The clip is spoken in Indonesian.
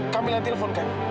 kamila yang telepon kan